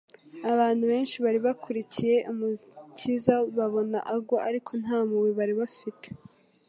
Abantu benshi bari bakurikiye Umukiza babona agwa, ariko nta mpuhwe bari bafite.